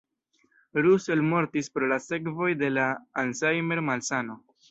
Russell mortis pro la sekvoj de la Alzheimer-malsano.